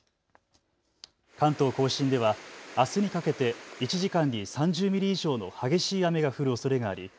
関東甲信ではあすにかけて１時間に３０ミリ以上の激しい雨が降るおそれがあり